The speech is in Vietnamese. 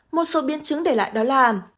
một số biến chứng để lại đó là